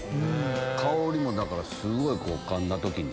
香りもだからすごいかんだ時に。